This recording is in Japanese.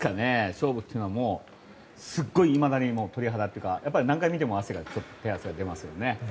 勝負っていうのはすごいいまだに鳥肌というか何回見ても手汗が出ますね。